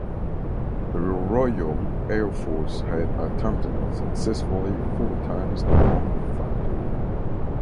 The Royal Air Force had attempted unsuccessfully four times to bomb the factory.